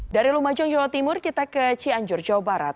dari lumajang jawa timur kita ke cianjur jawa barat